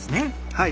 はい。